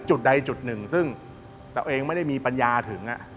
จุดใดจุดหนึ่งซึ่ง